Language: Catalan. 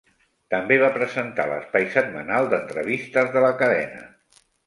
També va presentar l'espai setmanal d'entrevistes de la cadena.